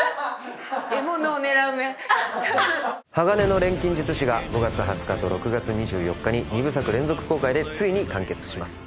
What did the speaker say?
『鋼の錬金術師』が５月２０日と６月２４日に２部作連続公開でついに完結します。